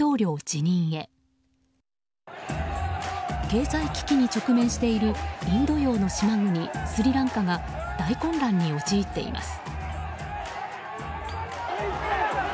経済危機に直面しているインド洋の島国スリランカが大混乱に陥っています。